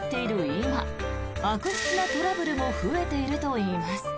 今悪質なトラブルも増えているといいます。